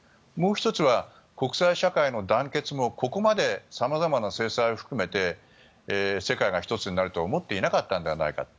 もう１つは国際社会の団結もここまで、様々な制裁を含めて世界が１つになるとは思っていなかったんではないか。